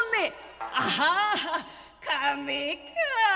「ああ金か。